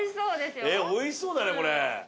美味しそうだねこれ。